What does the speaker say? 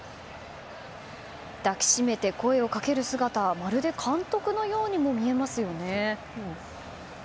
抱きしめて、声をかける姿はまるで監督のようにも見えますよね。